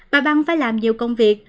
bà băng phải làm nhiều công việc